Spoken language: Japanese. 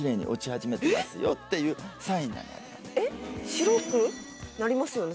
白くなりますよね？